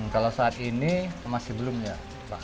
kalau saat ini masih belum ya